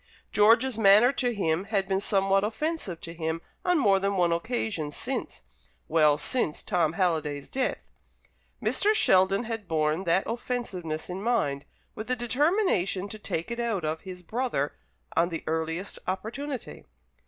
George's manner to him had been somewhat offensive to him on more than one occasion since well, since Tom Halliday's death. Mr. Sheldon had borne that offensiveness in mind, with the determination to "take it out of" his brother on the earliest opportunity.